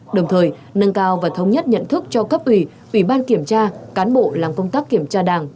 đồng thời nâng cao và thống nhất nhận thức cho cấp ủy ủy ban kiểm tra cán bộ làm công tác kiểm tra đảng